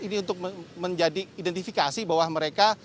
ini untuk menjadi identifikasi bahwa mereka